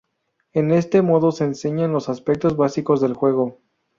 En este modo se enseñan los aspectos básicos del juego.